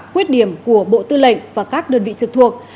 quyết điểm của bộ tư lệnh và các đơn vị trực thuộc